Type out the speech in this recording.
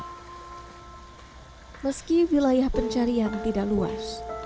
hai meski wilayah pencarian tidak luas